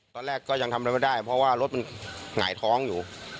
ตอนแรกก็ยังทำไม่ได้เพราะว่ารถหายท้องอยู่